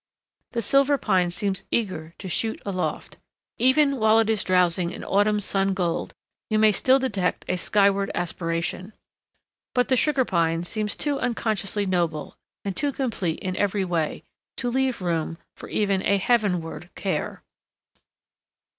The Silver Pine seems eager to shoot aloft. Even while it is drowsing in autumn sun gold, you may still detect a skyward aspiration. But the Sugar Pine seems too unconsciously noble, and too complete in every way, to leave room for even a heavenward care.